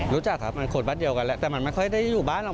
รู้จักครับมันคนบ้านเดียวกันแหละแต่มันไม่ค่อยได้อยู่บ้านหรอก